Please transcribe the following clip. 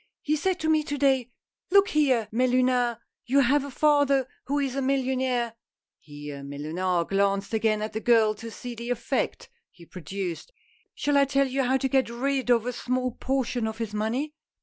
" He said to me to day, ' Look here, Mellunard, you have a father who is a millionaire,' — here Mellunard glanced again at the girl to see the effect he produced —' shall I tell you how to get rid of a small portion of his money